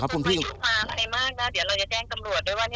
จะแจ้งพวกตำรวจด้วยว่ามาให้มาดูพวกนักข่าวนี้